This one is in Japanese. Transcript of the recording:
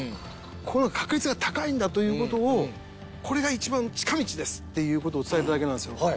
この方が確率が高いんだという事をこれが一番近道ですっていう事を伝えただけなんですよ。